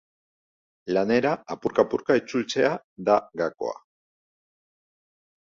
Lanera apurka-apurka itzultzea da gakoa.